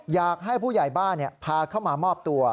อยากให้ผู้ใหญ่บ้านพาเข้ามามอบตัว